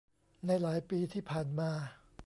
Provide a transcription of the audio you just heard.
ในหลายปีที่ผ่านมา